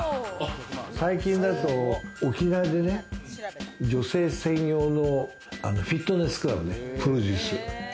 最近だと沖縄でね、女性専用のフィットネスクラブのプロデュース。